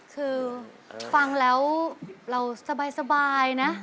คือฟังแล้วเราสบายนะ